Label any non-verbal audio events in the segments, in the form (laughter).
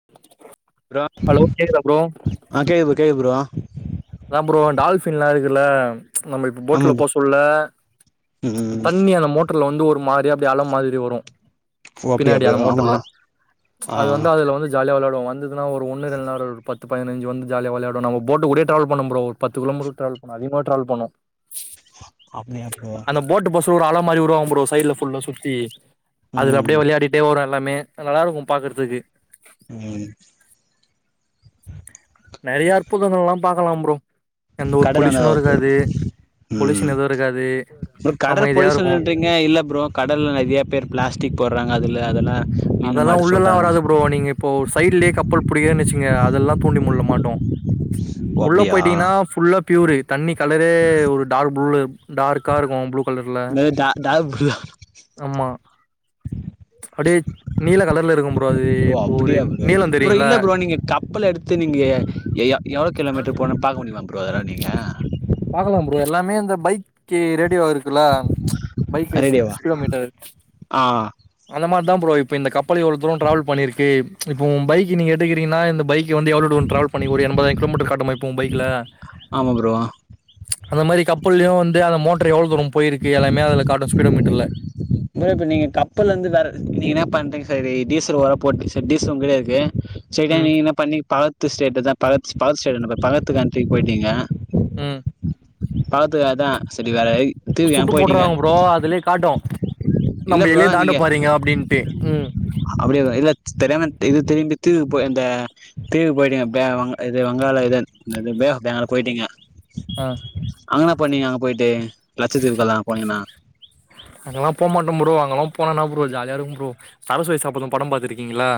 (unintelligible) Bro hello கேக்குதா bro ஆ கே கே ப்ரோ அதா ப்ரோ டால்ஃபின்லா இருக்குல்ல நம்ப இப்ப ஆமா போட்ல ப்ரோ போ சொல்ல ம் தண்ணி அந்த மோட் ருல வந்து ஒரு மாரி அப்டி அல மாதிரி வரு ஓ அப்டியா பின்னாடி ப்ரோ அந்த ஆமா மோட்டர்ல ஆ அது வந்து அதுல வந்து ஜாலிய வெளாடுவோ வந்துதுனா ஒரு ஒன்னு ரெண்லா வராது ஒரு பத்து பதினஞ்சு வந்து ஜாலியா வெளையாடு நம்ம போட்டு கூடே ட்ராவல் பண்ணும் ப்ரோ ஒரு பத்து கிலமீட்ரு ட்ராவல் பண்ணு அதிகமாவே ட்ராவல் பண்ணு அப்டியா ப்ரோ போட்டு பஸ்ல ஒரு அல மாரி உருவாவு ப்ரோ சைட்ல ஃபுல்லா சுத்தி அதுக்கு ம் அப்டியே வெளையாடிட்டே வருன் எல்லாமே நல்லா இருக்கு பாக்குறதுக்கு ம் நெறைய அற்புதங்கள்லா பாக்கலாம் ப்ரோ எந்த ஒரு கடல் வந்ததா பொல்யூஷனு ப்ரோ இருக்காது பொல்யூஷன் எதுவு இருக்காது அப்ற கடல் அமைதியா இருக்கு போலிசன்றீங்க இல்ல ப்ரோ கடல்ல நெறைய பேர் ப்ளாஸ்டிக் போடுறாங்க அதுல அதெல்லா மீன் அதெல்லா மாட்ட உள்ளெல்லா சொல்றாங்க வராது ப்ரோ நீங்க இப்போ ஒரு சைட்லயே கப்பல் புடியேன் வச்சுங்க அதெல்லா தூண்டி முள்ள மாட்டு ஓ உள்ள அப்டியா போயிட்டீங்கன்னா ஃபுல்லா ப்யூரு தண்ணி கலரே ஒரு டார்க் ப்ளூல டார்க்கா இருக்கு ப்ளூ கலர்ல இந்த டா டாக் ப்ரோ ஆமா அப்டியே நீல கலர்ல இருக்கு ஒ அப்டியா ப்ரோ ப்ரோ இல்ல ப்ரோ நீங்க கப்பல எடுத் து நீங்க எ எவ்ளோ கிலோமீட்டர் போனுன் பாக்க முடியுமா ப்ரோ அதெல்லா நீங்க பாக்கலா ப்ரோ எல்லாமே இந்த பைக் ரேடியோ இருக்கு ல பைக்கு ரேடியோவா (unintelligible) கிலோமீட்டர் ஆ அத மாரிதா ப்ரோ இப்ப இந்த கப்பல எவ்ளோ தூர ட்ராவல் பண்ணிருக்கு இப்ப பைக்கு நீங்க எடுத்துகின்னிங்னா இந்த பைக்கி வந்து எவ்ளோ தூர ட்ராவல் பண்ண ஒரு எண்பதாயிர கிலோமீட்டர் காட்டுமா உன் பைக்குல ஆமா ப்ரோ அந்த மாரி கப்பலையு வந்து அந்த மோட்ரு எவ்ளோ தூர போயிருக்கு எல்லாமே அதுல காட்டு ஸ்பீடோ மீட்ருல ப்ரோ இப்ப நீங்க கப்பல் வந்து வேற நீங்க என்ன பண்றீங்க சரி டீசல் வேற போட்டு சரி டீசல் உங்கிட்டயே இருக்கு சைட்டா ம் நீங்க என்ன பண்ணிங் பக்கத்து ஸ்டேட்தா பக்கத்த பக்கத்து ஸ்டேட் பக்கத்து கண்ட்ரிக்கு போயிட்டீங்க ம் பக்கத்து அதா செரி வேற தீவுக்கு ஃபுட்டு ஏன் போயிட்டீங்க போட்றாங்க ப்ரோ அதுலயே காட்டு இல்ல நம்ம எல்லைய தாண்ட போறிங்க அப்டின்ட்டு ம் அப்டியா இல்ல தெரியாம இது திரும்பித்து இந்த போயி இருந்த தீவுக்கு போயிட்டீங்க இது வங்காள இது பேஆஃப் வங்காள போயிட்டீங்க அங்கன பண்ணிங்க அங்க போயிட்டு லட்சத்திவுகல்லா அங்கல்லா போமாட்டோ ப்ரோ அங்கெல்லா போன்னா என்ன ப்ரோ ஜாலியா இருக்கு ப்ரோ சரஸ்வதி சபதம் படம் பாத்திருக்கீங்களா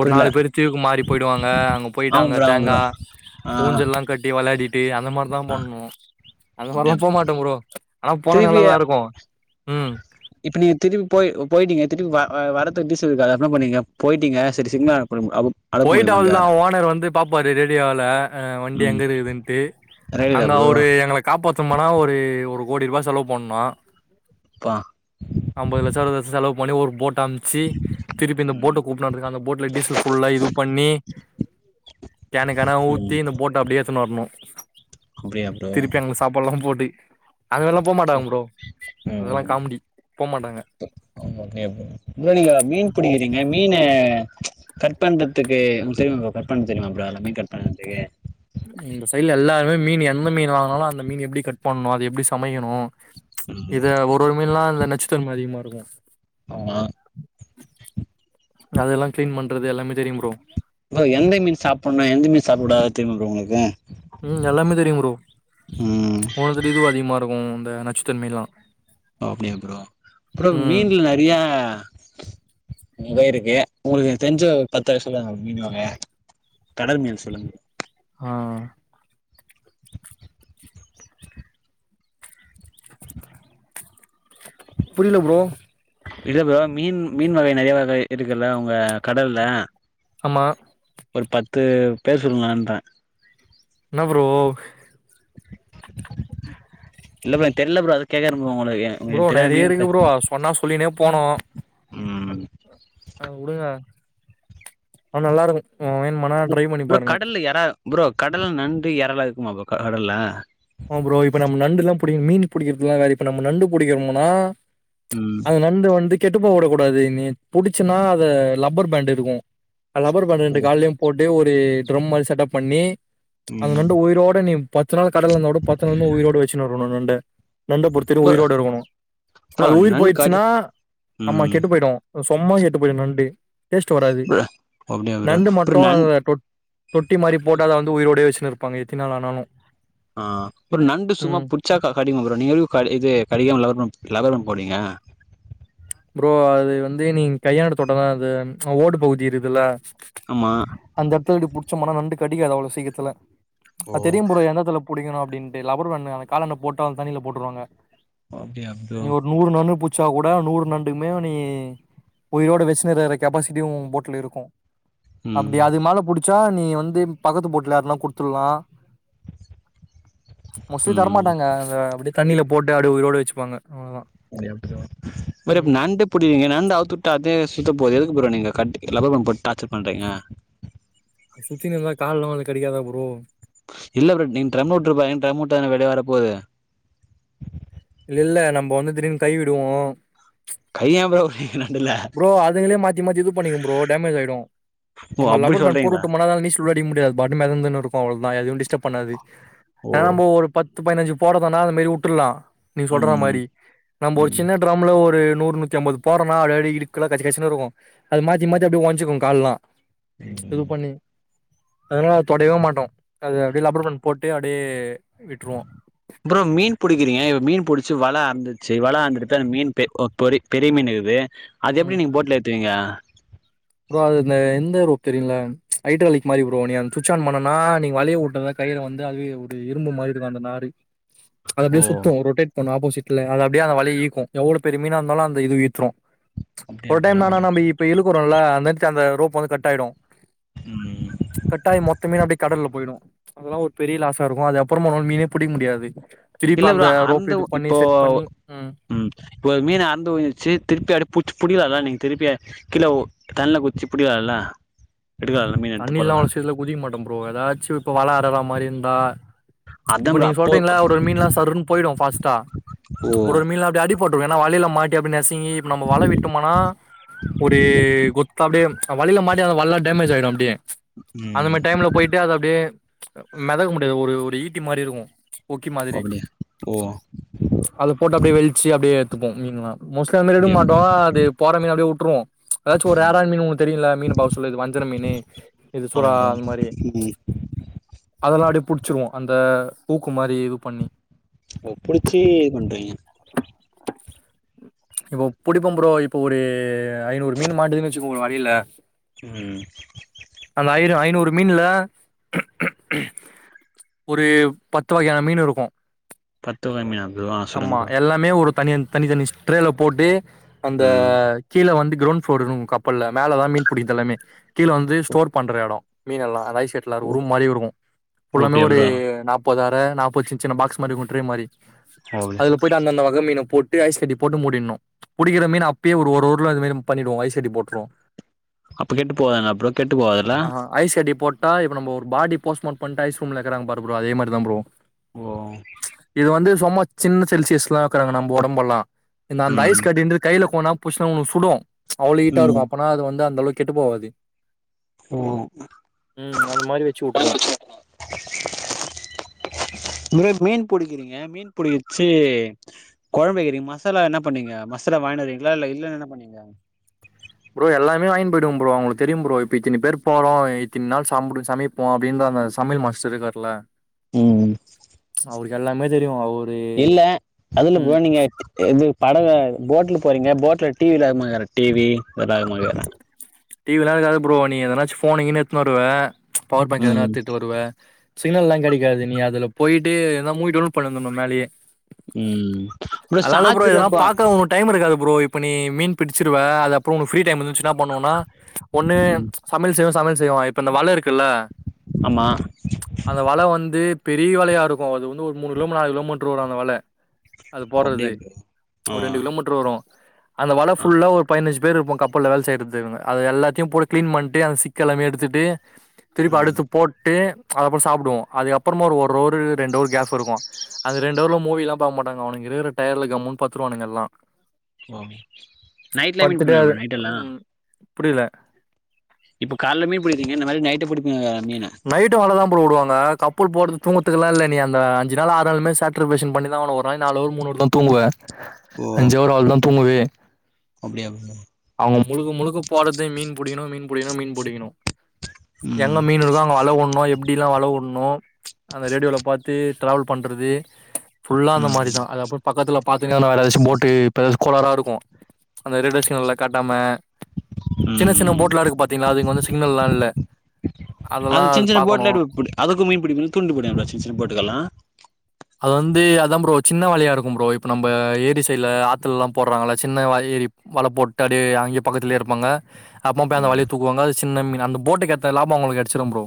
ஒரு புரியல நாலு பேர் தீவுக்கு மாறி போயிடுவாங்க அங்க போயிட்டு ஆமா அங்க ப்ரோ ஆமா ப்ரோ தேங்கா ஆ ஊஞ்சல்லா கட்டி விளையாடிட் டு அந்த மாதிரிதா ஆ பணணு அந்த மாதிரிலா போமாட்டோ ப்ரோ ஆனா போன திருப்பி நல்லாதா இருக்கு ம் இப்ப நீங்க திருப்பி போயி போயிட்டீங்க திருப்பி வரதுக்கு டீசல் இருக்காது என்ன பண்ணீங்க போயிட்டீங்க சேரி சிக்னல் அ போய்ட்டு அவ்ளோ தா ஓனர் வந்து பாப்பாரு ரேடியோல வண்டி ம் எங்க இருக்குதுன்ட்டு ரயில்ல அங்க ப்ரோ அவுரு எங்கள காப்பாத்தனுனா ஒரு ஒரு கோடி ரூபா செலவு பண்னு பா ஐம்பது லட்ச வரைக்கு செலவு பண்ணி ஒரு போட்டு அமுச்சு திருப்பி இந்த போட்ட கூப்புடலா இருக்கு அந்த போட்ல டீசல் ஃபுல்லாய் பண்ணி கேன கேன ஊத்தி ம் இந்த போட்ட அப்டியே எடுத்து வரணு அப்டியா ப்ரோ திருப்பி அங்க சாப்பாடுல்லா போட்டு அங்க எல்லா போ மாட்டாங்க ப்ரோ அது எல்லா காமெடி போமாட்டாங்க ஒகே ப்ரோ நீங்க மீன் பிடிக்கிறீங்க மீனு கட் பண்றதுக்கு உங்களுக்கு தெரியமா ப்ரோ கட் பண்ண தெரியுமா ப்ரோ மீன் கட்பண்ண தெரிமா இந்த சைடில எல்லாருமே மீன் எந்த மீன் வாங்கினாலு அந்த மீன் எப்டி கட் பண்ணணு அத எப்டி சமைக்கணு ம் இத ஒரு ஒரு மீன்லா நச்சுத்தன்ம அதிகமா இருக்கு ஆமா அது எல்லா கிளீன் பண்றது எல்லாமே தெரியும் ப்ரோ ப்ரோ எந்த மீன் சாப்புனு எந்த மீன் சாப்ட கூடாது தெரிமா ப்ரோ உங்களுக்கு ம் எல்லாமே தெரியும் ப்ரோ ம் ஒன்னு இதுவு அதிகமா இருக்கு இந்த நச்சுத்தன்மை எல்லா அப்டியா ப்ரோ அப்புறோ மீன்ல நிறைய முதல் இருக்கு உங்களுக்கு தெரிஞ்ச ஒரு பத்து வகை சொல்லுங்க மீன்வகைய கடல் மீனு சொல்லுங்க ஆ புரில ப்ரோ இல்ல ப்ரோ மீன் மீன் வகை நிறைய வகை இருக்கு இல்ல உங்க கடல்ல ஆமா ஒரு பத்து பேர் சொல்லுகளன்ற என்ன ப்ரோ இல்ல ப்ரோ எனக்கு தெரில ப்ரோ அத கேக்கற ப்ரோ உங்களுக்கு ப்ரோ எனக்கு தெரியாது நெறைய மீன் க இருக்கு ப்ரோ அத சொன்னா சொல்லினே போனோ ம் ஆ வுடுங்க அவ நல்லா இருக்கு மீன் மன ப்ரோ கடல எற ப்ரோ கடல்ல நண்டு இறல இருக்குமா போ கடல்ல ஆமா ப்ரோ இப்ப நம்ம நண்டு எல்லா பிடிக்குன்னா மீன் பிடிக்கிறது காக இப்ப நம்ம நண்டு பிடிக்கனுனா ம் அது நண்டு வந்து கெட்டுபோவ வுடக்கூடாது நீ புடிச்சன்னா அத லப்பர் பேண்டு இருக்கு லப்பர் பேண்டை ரெண்டு கால்லயும் போட்டு ஒரு ட்ரம் மாரி செட்டப் பண்ணி அந்த ம் நண்டு உயிரோட நீ பத்துநாள் கடல்ல இருந்தாலு பத்து நாள் உயிரோட வச்சுனு வரணு நண்ட நண்ட பொறுத்த வரைக்கு ப்ரோ உயிரோடு இருக்கணு ப்ரோ அது உயிர் நண்டு காடி போயிடுச்சுனா ஆமா ம் கெட்டு போயிடு சும்மா கெட்டுபோயிடு நண்டு டேஸ்ட் வராது ப்ரோ அப்டியா ப்ரோ நண்டு ப்ரோ மட்டு நண் அப் தொட்டி மாரி போட்டு அதை வந்து வந்து உயிரோடே வச்சுப்பாங்க எத்தனை நாள் ஆனாலு ஆ அப்பறோ நண்டு சும்மா ம் புட்ச்சா கா கடிக்கு அப்பொறொ நீங்காலு கடி இது கடிக்கலாமா இருக்கு லப்பர் பேண்ட் போட்றீங்க ப்ரோ அது வந்து நீங்க கையால தொட்டா தா அது ஓடு பகுதி இருக்கு இல்ல ஆமா அந்த எடத்துல நீங்க எப்டி பிடிச்சொம்முன்னா நண்டு கடிக்காது அவ்ளோ சீக்ரத்துல ஓ அது தெரியு ப்ரோ எந்த எடத்துல புடிக்கணு அப்டின்ட்டு லப்பர் பேண்ட அந்த கால போட்டா அவங்க தண்ணில போட்டுருவாங்க ஓ அப்டியா ப்ரோ நூறு நாணு புச்சா கூட நூறு நண் எதுமே நீ உயிரோட வெச்சா நறையா கொப்பாசிட்டியு போட்ல இருக்கு அப்டி ம் அது மேல புடிச்சா நீ வந்து பக்கத்து போட்டுல யாருனா குடுத்துட்லா மோஸ்ட்லி ம் தரமாட்டாங்க அத அப்டியே தண்ணில போட்டு அப்டியே உயிரோடு வெச்சுப்பாங்க அவ்ளோதா ஒரு ம் நண்டு பிடிவீங்க நண்டு அவுத்துவுட்டா அதே சு த்தபோது எதுக்கு ப்ரோ நீங்க கட் லப்பர் பேண்ட் போட்டு டார்ச்சர் பண்றீங்க சுத்தினே இருந்தா கால் எல்லா வந்து கடிக்காத ப்ரோ இல்ல ப்ரோ நீங் ட்ரம் உட்ரு நீ ட்ரமூட்ட தான வெளிய வர போது இல்ல நம்ம வந்து திடீர்னு கை விடுவோ கை ஏ ப்ரோ வி இ நண்டுல்ல ப்ரோ அது எதுலயே மாத்தி மாத்தி இது பண்ணிங்க ப்ரோ டேமேஜ் ஆயிடு ஓ நிம்ம அப்டி லப்பர் பேண்ட் போட்டு சொல்றீங்களா விட்டோமன்னா அது ரிலிஸ் முடிக்க முடியாது அது வாட்டிக்கி மெதட்ன்னு இருக்கு அவ்ளோதா எதுவு டிஸ்டர்ப் பண்ணாது ஓ ஆ போ பத்து பதினஞ்சு போட சொன்ன அது அந்த மாரி உட்டுற்லா நீங்க சொல்ற ம் மாரி நம்ப ஒரு ம் சின்ன ட்ரம்ல ஒரு நூறு நூத்தி அம்பது போறனா ஆல்ரெடி திக்குல கசகச னு இருக்கு அது மாத்தி மாத்தி அப்டியே ஒஞ்சிக்கும் கால் எல்லா இது பண்ணி அதனால தொடவே மாட்டோ அது அப்டியே லப்பர் போண்டு போட்டு அப்டியே விட்டுருவோ ப்ரோ மீன் புடிக்கிறீங்க இப்ப மீன் புடிச்சு வல அறுந்துச்சு வல அறுத்துட்டு அந்த மீன் பெ கோ பொரி பெரிய மீன் இருக்குது அது ம் எப்பிடி நீங்க போட் ல ஏத்துவீங்க ப்ரோ அது இந்த இந்த ரோட் தெரியுல ஐட்ரலிக் மாரி ப்ரோ நீ சுவிட்ச் ஆன் பண்ணனா நீ வலைய உட்டல்ல கயிறு வந்து அதுவே ஒரு இரும்பு மாரி இருக்கும் அந்த நாறு அது அப்டியே ஓ சுத்தும் ரொடேட் பண்ணு ஆப்போசிட்லே அது அப்டியே அந்த வலய இழுக்கு எவ்ளோ பெரிய மீனா இருந்தாலு அந்த இது இழுத்துரு அப்டியா ஒரு டைம் ப்ரோ நானானா நம்ப இப்ப இழுக்குறோல அந்த அந்த ரோப் வந்து கட்டு ஆய்டு ம் கட் ஆயி மொத்த மீனு அப்டியே கடல்ல போய்டு அது எல்லா ஒரு பெரிய லாசா இருக்கு அது அப்புறோ உன்னால் மீனே புடிக்க முடியாது திருப்பி இல்ல அந்த ப்ரோ ரோப் அறுந்து இது பண்ணி இப்போ செட் பண்ணி ம் ம் இப்ப ஒரு மீன் அறுந்து போய்டுச்சு திருப்பி அப்டியே புடுச்சு புடிக்கலா இல்ல திருப்பி அ கிழ ஒ தண்ணல புச்சு புடிக்கலால்ல எடுக்கலால்ல மீன் எடுத்து தண்ணில எல்லா அவ்ளொ போடலால்ல சீக்கரோ குதிக்க மாட்டோ ப்ரோ எதாச்சு இப்ப வல அறலற மாரி இருந்தா அதா இப்ப நீங்க ப்ரோ சொல்றீங்கல்ல அப்போ ஒரு ஒரு மீன்லா சருன்ன போய்டு ஃபாஸ்டா ஓ ஒரு ஒரு மீன் எல்லா அப்டி அடி போட்டுவன் னா எனா வலையில மாட்டி அப்டி நசுங்கி இப்ப நம்ம வல விட்டோமனா ஒரு குத்தா அப்டியே வலைல மாட்டி அந்த வலை டேமேஜ் ஆயிடு அபடியே அந்த ம் மாதி டைம்ல போய் அது அப்டியே மெதக்க முடியாது ஒரு ஒரு ஈட்டி மாரி இருக்கு கொக்கி ஓ மாதிரி அப்டியா ஓ அது போட்டு அப்டியே வெள்ச்சு அப்டியே எடுத்துப்போ மீன்லா மோஸ்டா அதுல எடுக்க அப்டியா மாட்டோ அது போற மீ அப்டியே உட்டுருவோ எதாச்சு ஒரு ரேர் ஆனா மீன் உங்களுக்கு தெரியுல்ல மீனு பௌஸ் ஃபுல்லு இது வஞ்சர மீன்னு இது ஆமா சுறா ப்ரோ அந்த மாரி ம் அதெல்லா அப்டி புடிச்சிருவோ அந்த ஹுக்கு மாரி இது பண்ணி ஓ புடிச்சி இது பண்றீங்க இப்போ புடிப்போம் ப்ரோ இப்போ ஒரு ஐநூறு மீன் மாட்டுதுன்னு வச்சுக்கோங்க ஒரு வலையில்ல ம் அந்த ஆயிரோ ஐநூறு மீன்ல ஒரு பத்து வகையான மீன் இருக்கு பத்து வகையான மீனா ஆ ஆமா சொல்லுங்க ப்ரோ எல்லாமே ஒரு தனியன் தனி தனி ஸ்ட்ரேல போட்டு அந்த ம் கீழ வந்து கிரண்ட் ஃப்ளோர் இருக்கு கப்பல்ல மேல தா மீன்புடிக்கிறது எல்லாமே கீழ வந்து ஸ்டோர் பண்ற எடோ மீனெல்லா ரைஸ் சேட் எல்லாருக்கு ஓ ஒரு ரூம் மாரி இருக்கு ஓ ஃபுல்லாமே அப்டியா ஒரு ப்ரோ ஓ நாப்பது அர நாற்பது சின்ன சின்ன பாக்ஸ் மாரி குட்ரே மாரி அவ்ளு அதுல போயிட்டு அந்தந்த வக மீன போட்டு ஐஸ் கட்டி போட்டு மூடிர்னு புடிக்கிற மீணு அப்பே ஒரு ஒரு ஊர்ல அதுமாரி பண்ணிடுவோ ஐஸ் கட்டி போட்ருவோ அப்ப கெட்டு போகுதுன்னா அப்றோ கெட்டு போவாதுல்ல ஆ ஐஸ் கட்டி போட்டா இப்ப நம்ம ஒரு பாடி போஸ்ட்மார்ட் பண்ட்டு ஐஸ் ரூம்ல வெக்கிறாங்க பாரு ப்ரோ அதே மாரி தா ப்ரோ ஓ இது வந்து சும்மா சின்ன செல்சியஸ்லா வக்குறாங்க நம்ம ஒடம்பல்லா இந்த அந்த ஐஸ் ம் கட்டு இருந்து கையில கொஞ் நேரோ புட்சவனுக்கு சுடு அவ்ளோ ஹீட்டா ம் இருக்கு அப்பனா அது வந்து அந்த அளவுக்கு கெட்டு போவாது ஓ ம் அந்த மாரி வச்சு விட்டுருவோ இதுவே மீன் புடிக்கிறீங்க மீன் புடிக்கர்சே கொழம்பு வைக்கிறிங்க மசாலா என்ன பண்ணீங்க மசாலா வாங்கிட்டு வருவீங்களா இல்ல இல்லன என்ன பண்னுவீங்க ப்ரோ எல்லாமே வாங்கிட் போயிடுவே ப்ரோ அவுங்களுக்கு தெரியும் ப்ரோ இப்ப இத்தினி பேர் போறோ இத்தின் நாள் சாம்புடு சமய போ அப்டின் அந்த சமையல் மாஸ்ட்ரு இருக்காருல்ல ம் ம் அவருக்கு எல்லாமே தெரியு அவர் இல்ல அதுல ப்ரோ நீங்க இது படகு போட்ல போறீங்க போட்ல டிவில அதுமாக்குற டிவி பட் அதுமார்ருக்கா டிவிலா இருக்காது ப்ரோ நீ எதனாச்சு போனு கீன்னு எடுத்துன் வருவ பவர் பேங்க் எதன்னா ம் எத்துட்டு வருவ சிக்னல்லா கெடைகாது நீ அதுல போயிட்டு எதனா மூவி டவுன்லட் பண்ணிட்டு வந்தர்ணு மேலயே ம் உள்ள அதனால இல்ல ப்ரோ இதெல்லாம் சாஜ்றப்பா பாக்க உனக்கு டைம் எடுக்காது ப்ரோ இப்ப நீ மீன் புடிச்சிருவ அது அப்றோ ஒனக்கு ஃப்ரீ டைம் இருந்துச்சு என்ன பண்ணுவோன்னா ஒண்ணு ம் சமையல் செய்வோ சமையல் செய்வோ இப்ப இந்த வல இருக்குல்ல ஆமா அந்த வல வந்து பெரிய வலையா இருக்கு அது வந்து ஒரு மூணு கிலோ மீட்ரு நாலு கிலோமீட்ரு வரு அந்த வல அது போட்றது அப்டியா ப்ரோ ஆ ஒரு ரெண்டு கிலோ மீட் ட்ரு வரு அந்த வல ஆ ஃபுல்லா ஒரு பதுனஞ்சு பேர் இருப்போ கப்பல்ல வேல செய்றதுங்குன்னு அது எல்லாத்தையு போட்டு க்ளீன் பண்ட்டு அது சிக்க எல்லாமே எடுத்துகிட்டு திருப்பி ம் அடுத்து போட்டு அது அப்றோ சாப்டுவோ அதுக்கப்பறமா ஒரு ஒரு ஒரு ரெண்ட்டோர் கேப் இருக்கு அது ரெண்டவர்ல மூவிலாம் பாக்க மாட்டாங்க அவனுங்க இருக்குற டயர்ட்ல கம்முன்னு பத்துருவானுங்க எல்லா ஓ நைட்ல மீன் படுத்துட்டு புடிப்பங்ளே அது ப்ரோ நைட்டெல்லா ம் புரியல இப்ப கால்ல மீன் புடிக்கிறீங்க இந்த மாரி நைட் புடிப்புங்கல்ல மீன நைட்டு வல தா ப்ரோ வுடுவாங்க கப்பல் போறட்து தூங்கறத்துக்கலா இல்ல நீ அந்த அஞ்ச நாள் ஆறு நாளுமே சே ட்ரபேஷன் பண்ணிதா ஆகணு ஒரு நாளைக்கு நால் அவர் மூணவர்தா தூங்குவே ஓ அஞ்சவர் அவ்ளோதா தூங்கயே அப்டியா ப்ரோ அவுங்க முழுக்க முழுக்க போறதே மீன் புடிக்கணு மீன் புடிக்கணு மீன் புடிக்கணு எங்க ம் மீன் எல்லா ண்ணோ எப்டிலா வலவுட்ணு அந்த ரேடியோல பாத்து டிரவல் பண்றது ஃபுல்லா அந்த மாரி ம் தா அத அப்பப் பக்கத்துல பாத்தீங்கன்னா வேற ஏதாச்சு போட்டு இப்ப கோலராக இருக்கு அந்த ரேடியோ சிக்னல்ல காட்டாம சின்ன சின்ன ம் போட்ல இருக்கு பாத்தீங்களா அதுக்கு வந்து சிக்னல்லா இல்ல அந்த அதெல்லா சின் சின்ன பாக்கணு போட்டுல எப்டி அதுக்கு மீன் பிடிக்னு தூண்டில் போடுவாங்ல சின் சின்ன போட்டுக்கல்லா அது வந்து அதா ப்ரோ சின்ன வலையா இருக்கு ப்ரோ இப்ப நம்ம ஏரி சைல ஆத்துலல்லா போடுறாங்கள சின்ன வா ஏரி வலை போட்டு அப்டியே அங்கே பக்கத்துலே இருப்பாங்க அப்மா ம் அந்த வாளிய தூக்குவாங்க அது சின்ன மீனு அந்த போட்டுக்கு ஏத்த லாபம் அவ ங்களுக்கு கெடச்சிரும் ப்ரோ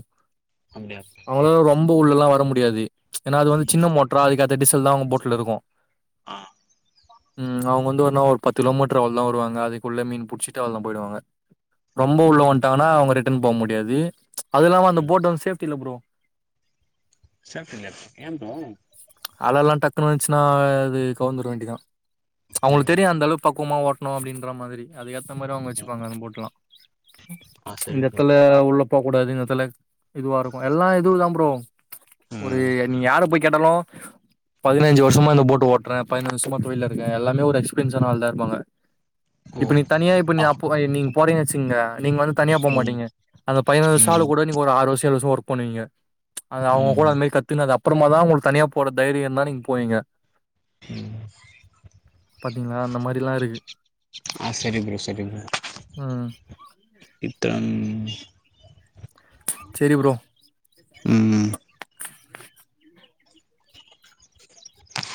அப்படியா அவளதா ரொம்ப உள்ளல்லா வர முடியாது ஏனா அது வந்து சின்ன மோட்ரா அதுக்கேத்த டிசல்தா அவுங்க போட்ல இருக்கு அ ம் அவுங்க வந்து ஒருநா ஒரு பத்து கிலோமீட்டர் அவ்ளதா வருவாங்க அதுக்குள்ள மீன் புடிச்சுட்டு அவள்தா போயிருவாங்க ரொம்ப உள்ள வந்ட்டாங்கன்னா அவுங்க ரிட்டன் போக முடியாது அது இல்லாம அந்த ம் போட் வந்து சேப்டி இல்ல ப்ரோ சேப்டி இல்லையா ஏ ப்ரோ அதெல்லா டக்குன்னு வந்ச்சுன்னா அது கவுர்ந்துர வேண்டிதா அவங்களுக்கு ம் தெரியு அந்த அளவுக்கு பக்குவமா ஓட் னு அப்டின்ற மாதிரி அதுக்கேத்த மாரி அவுங்க ம். வச்சுப்பாங்க அந்த போட்டுலா ஆ சரி இந்த ப்ரோ எத்தூபோடத்துல உள்ப் போக்கூடாது இந்தஎ த்துல இதுவா இருக்கு எல்லா இதுதா ப்ரோ ஒரு ம் நீ யார போய்க் கேட்டாலு பதினஞ்சு வர்ஷமா இந்த போட்டு ஓட்றே பதினஞ்சு வர்ஷமா தொழில்ல இருக்கே எல்லாமே ஒரு எஸ்பீரியன்ஸான ஆள்தா இருபாங்க ஓ இப்ப நீ தனியா இப்ப நீ ஆ அப்போ நீங்க போறீங்கனு வச்சுங்க நீங்க வந்து தனியா ம் போமாட்டீங்க அந்த பதினைந்து வர்ஷ ஆளு ம் கூட நீங்க ஒரு ஆறு வர்ஷோ ஏழு வர்ஷோ ஒர்க் பண்ணுவீங்க அது அவுங்க கூட ம் அந்த மாரி கத்துனது அப்பறமா தா உங்களுக்கு தனியா போற தைரியம் இருந்தா நீங்க போவீங்க ம் பாத்தீங்ளா அந்த மாரில்லா இருக்கு ஆ சரி ப்ரோ சரி ம் இத்தங் செரி ப்ரோ ம்